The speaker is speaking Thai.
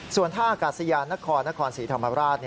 ส่วนท่าอากาศยานนครนครศรีธรรมราช